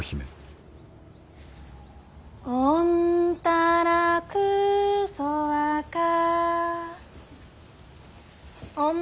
おんたらくそわか。